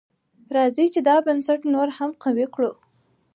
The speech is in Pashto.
راځئ چې دا بنسټ نور هم قوي کړو.